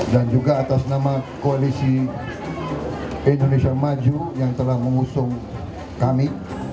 dan juga atas nama koalisi indonesia maju yang telah mengusung kami